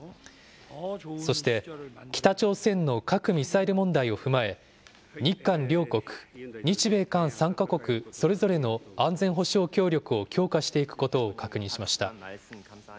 そして北朝鮮の核・ミサイル問題を踏まえ、日韓両国、日米韓３か国それぞれの安全保障協力を強化していくことを確認しました。